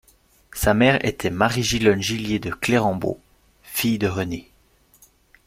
Sa mère était Marie-Gilonne Gillier de Clérembault, fille de René.